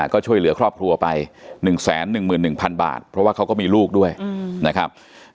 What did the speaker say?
ก็ช่วยเหลือครอบครัวไป๑๑๑๐๐๐บาทเพราะว่าเขาก็มีลูกด้วยนะครับ